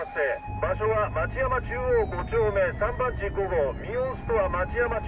場所は町山中央５丁目３番地５号ミオンストア町山中央店。